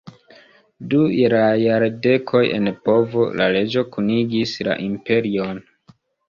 Du la jardekoj en povo, la reĝo kunigis la imperion.